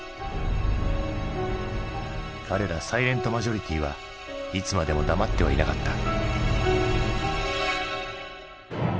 彼らサイレント・マジョリティはいつまでも黙ってはいなかった。